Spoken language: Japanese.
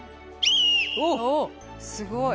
おっすごい。